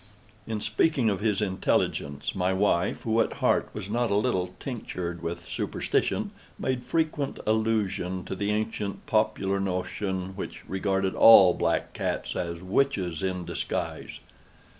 In speaking of his intelligence, my wife, who at heart was not a little tinctured with superstition, made frequent allusion to the ancient popular notion, which regarded all black cats as witches in disguise.